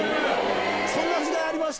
そんな時代ありました？